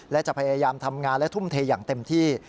และจะพยายามทำงานและทุ่มเทอย่างเต็มที่